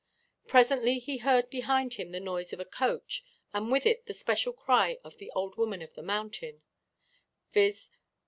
Presently he heard behind him the noise of a coach, and with it the special cry of the Old Woman of the Mountain, viz.